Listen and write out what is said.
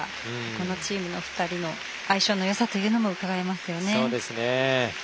このチームの２人の相性のよさというのもうかがえますよね。